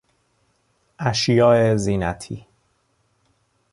اشیای زینتی